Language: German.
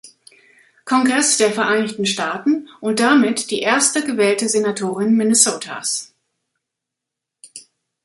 Kongress der Vereinigten Staaten und damit die erste gewählte Senatorin Minnesotas.